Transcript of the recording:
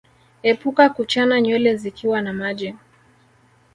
Epuka kuchana nywele zikiwa na maji